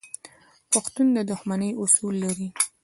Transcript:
پښتون د دښمنۍ اصول لري.